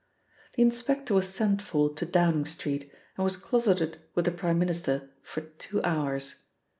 The inspector was sent for to Downing Street, and was closeted with the Prime Minister for two hours.